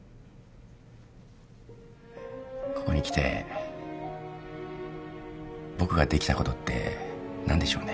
ここに来て僕ができたことって何でしょうね。